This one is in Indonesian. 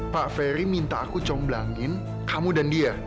pak ferry minta aku comblangin kamu dan dia